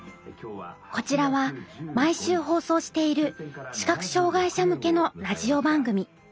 こちらは毎週放送している視覚障害者向けのラジオ番組。